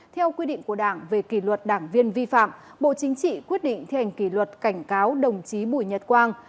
theo quy định của đảng về kỷ luật đảng viên vi phạm bộ chính trị quyết định thi hành kỷ luật cảnh cáo đồng chí bùi nhật quang